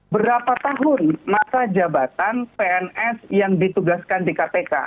berapa tahun masa jabatan pns yang ditugaskan di kpk